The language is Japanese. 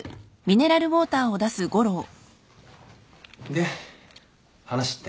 で話って？